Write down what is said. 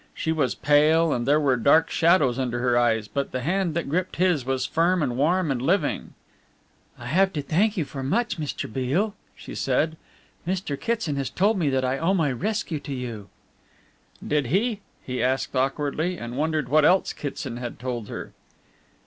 She was pale, and there were dark shadows under her eyes, but the hand that gripped his was firm and warm and living. "I have to thank you for much, Mr. Beale," she said. "Mr. Kitson has told me that I owe my rescue to you." "Did he?" he asked awkwardly, and wondered what else Kitson had told her.